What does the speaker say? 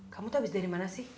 kamu tuh habis dari mana sih